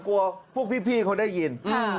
กลัวพวกพี่เขาได้ยิน